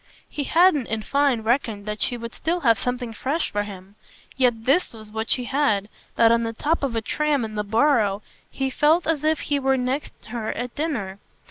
He hadn't in fine reckoned that she would still have something fresh for him; yet this was what she had that on the top of a tram in the Borough he felt as if he were next her at dinner.